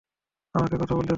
আমাকে কথা বলতে দাও?